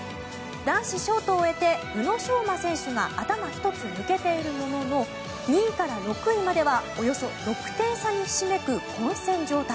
男子ショートを終えて宇野昌磨選手が頭一つ抜けているものの２位から６位まではおよそ６点差にひしめく混戦状態。